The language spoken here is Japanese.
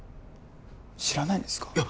知らないんですか？